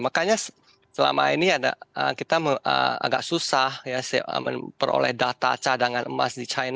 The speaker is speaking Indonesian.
makanya selama ini ada kita agak susah ya memperoleh data cadangan emas